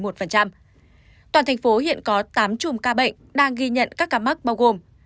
toàn thành phố hiện có tám chùm ca bệnh đang ghi nhận các ca mắc bao gồm